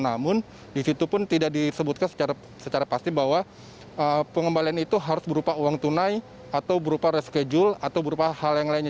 namun di situ pun tidak disebutkan secara pasti bahwa pengembalian itu harus berupa uang tunai atau berupa reschedule atau berupa hal yang lainnya